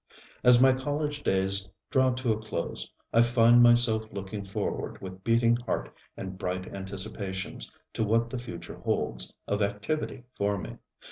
As my college days draw to a close, I find myself looking forward with beating heart and bright anticipations to what the future holds of activity for me.